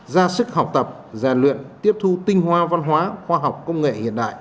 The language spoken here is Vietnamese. ra sức học tập rèn luyện tiếp thu tinh hoa văn hóa khoa học công nghệ hiện đại